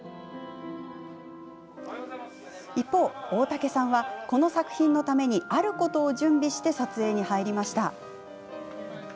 一方、大竹さんはこの作品のためにあることを準備して撮影に入りました。